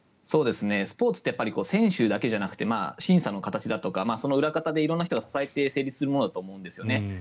スポーツって選手だけじゃなくて審査の形だとかその裏方で色んな人が支えて成立するものだと思うんですね。